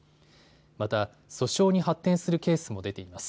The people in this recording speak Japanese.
また、訴訟に発展するケースも出ています。